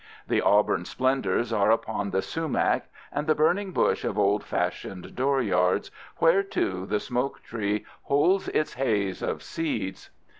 The auburn splendors are upon the sumac and the burning bush of old fashioned dooryards, where, too, the smoke tree holds its haze of seeds.